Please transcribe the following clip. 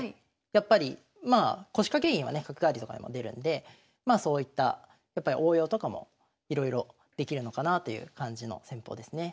やっぱりまあ腰掛け銀はね角換わりとかでも出るんでそういった応用とかもいろいろできるのかなという感じの戦法ですね。